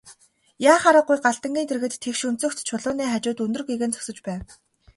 Яах аргагүй Галдангийн дэргэд тэгш өнцөгт чулууны хажууд өндөр гэгээн зогсож байв.